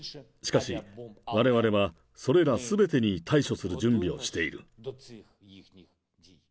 しかし、われわれはそれらすべてに対処する準備をしている。